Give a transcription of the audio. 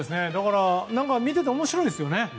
見てて面白いですよね。